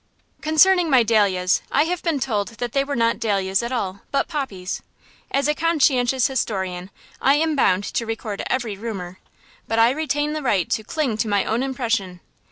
Concerning my dahlias I have been told that they were not dahlias at all, but poppies. As a conscientious historian I am bound to record every rumor, but I retain the right to cling to my own impression.